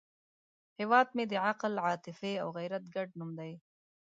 هیواد مې د عقل، عاطفې او غیرت ګډ نوم دی